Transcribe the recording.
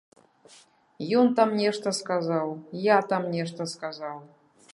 Ён там нешта сказаў, я там нешта сказаў.